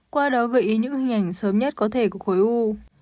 qua đó gợi ý những hình ảnh sớm nhất có thể của khối u